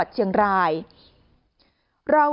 ไปเยี่ยมผู้แทนพระองค์